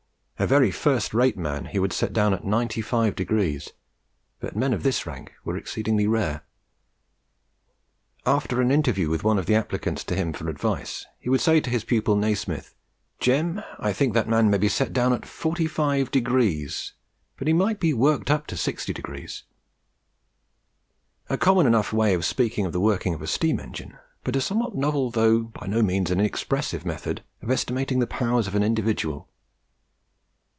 A very first rate man he would set down at 95 degrees, but men of this rank were exceedingly rare. After an interview with one of the applicants to him for advice, he would say to his pupil Nasmyth, "Jem, I think that man may be set down at 45 degrees, but he might be WORKED UP TO 60 degrees" a common enough way of speaking of the working of a steam engine, but a somewhat novel though by no means an inexpressive method of estimating the powers of an individual.